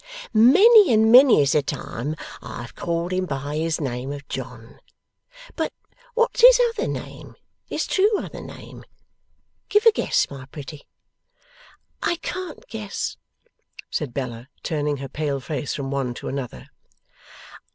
Many and many is the time I have called him by his name of John. But what's his other name, his true other name? Give a guess, my pretty!' 'I can't guess,' said Bella, turning her pale face from one to another.